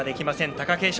貴景勝。